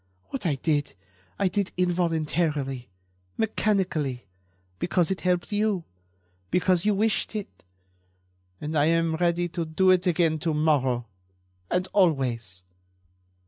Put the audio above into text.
What I did I did involuntarily, mechanically, because it helped you, because you wished it ... and I am ready to do it again to morrow ... and always."